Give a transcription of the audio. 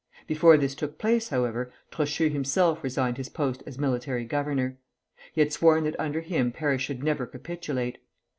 Before this took place, however, Trochu himself resigned his post as military governor. He had sworn that under him Paris should never capitulate.